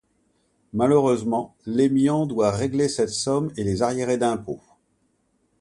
Malheureusement, Leśmian doit régler cette somme, et les arriérés d'impôts.